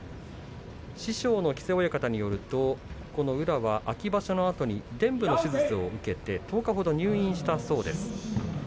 師匠の木瀬親方によるとこの宇良は秋場所のあとにでん部の手術を受けて１０日ほど入院したそうです。